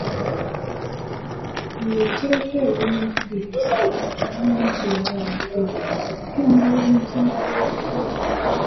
Nga oggyeko ebyenjigiriza, gavumenti era yaluubirira okutumbula omutindo gw'ebyobulamu.